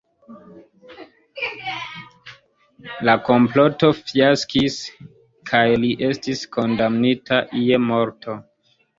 La komploto fiaskis kaj li estis kondamnita je morto.